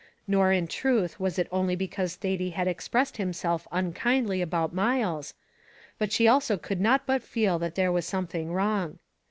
Nor, in truth, was it only because Thady had expressed himself unkindly about Myles, but she also could not but feel that there was something wrong.